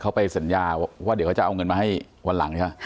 เขาไปสัญญาว่าเดี๋ยวเขาจะเอาเงินมาให้วันหลังใช่ไหม